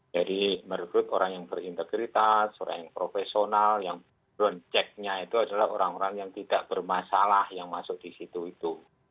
jadi merekrut orang yang berintegritas orang yang profesional yang projectnya itu adalah orang orang yang tidak bermasalah yang masuk di situ itu